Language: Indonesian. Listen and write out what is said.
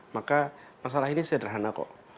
maka masalah ini sederhana kok